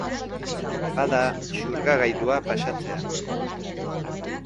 Bada, xurgagailua pasatzea.